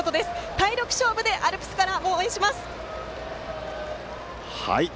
体力勝負でアルプスかもら応援します！